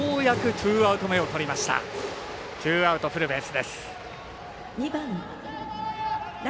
ツーアウト、フルベースです。